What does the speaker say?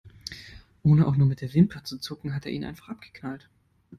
Ohne auch nur mit der Wimper zu zucken, hat er ihn einfach abgeknallt.